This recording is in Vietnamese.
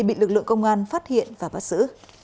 bị lực lượng công an phát hiện và bắt giữ